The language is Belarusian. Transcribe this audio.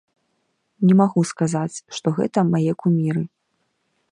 Не магу сказаць, што гэта мае куміры.